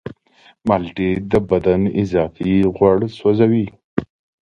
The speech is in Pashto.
مالټې د بدن اضافي غوړ سوځوي.